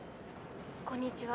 「こんにちは。